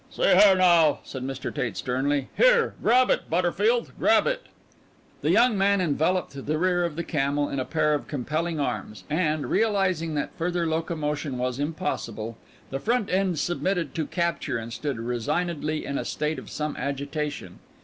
"See here now," said Mr. Tate sternly. "Here! Grab it, Butterfield! Grab it!" The young man enveloped the rear of the camel in a pair of compelling arms, and, realizing that further locomotion was impossible, the front end submitted to capture and stood resignedly in a state of some agitation.